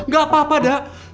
gak apa apa dada